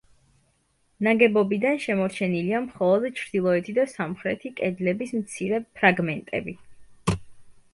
ნაგებობიდან შემორჩენილია მხოლოდ ჩრდილოეთი და სამხრეთი კედლების მცირე ფრაგმენტები.